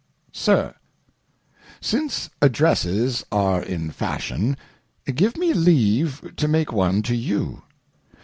SIR, SINCE Addresses are in fashion, give uie leave to make one to you.